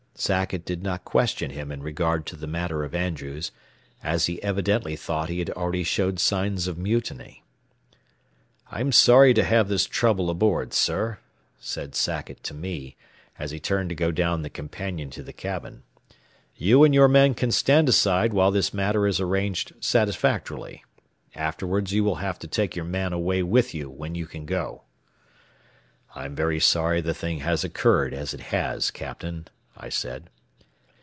Sackett did not question him in regard to the matter of Andrews, as he evidently thought he had already showed signs of mutiny. "I'm sorry to have this trouble aboard, sir," said Sackett to me, as he turned to go down the companion to the cabin. "You and your men can stand aside while this matter is arranged satisfactorily. Afterward you will have to take your man away with you when you can go." "I'm very sorry the thing has occurred as it has, captain," I said.